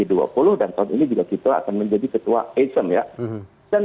dan tahun ini juga kita akan menjadi ketua asean ya